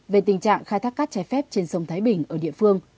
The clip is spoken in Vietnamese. về tình trạng khai thác cát trái phép trên sông thái bình ở địa phương